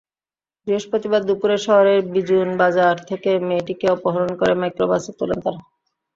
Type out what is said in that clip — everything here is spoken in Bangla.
বৃহস্পতিবার দুপুরে শহরের বিজুল বাজার থেকে মেয়েটিকে অপহরণ করে মাইক্রোবাসে তোলেন তাঁরা।